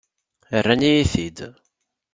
Rran-iyi-t-id.